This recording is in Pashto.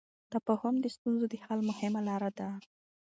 تفاهم د ستونزو د حل مهمه لار ده.